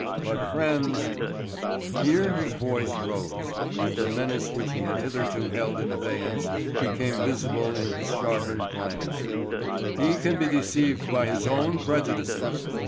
But friends—" Here his voice rose and the menace which he had hitherto held in abeyance became visible in his sharpened glance—"he can be deceived by his own prejudices.